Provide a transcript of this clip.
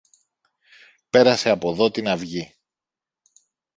Πέρασε από δω την αυγή.